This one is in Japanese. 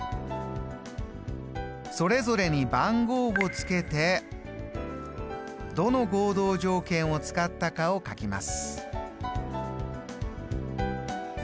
それぞれに番号を付けてどの合同条件を使ったかを書きます。